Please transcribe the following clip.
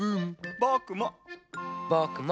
ぼくも！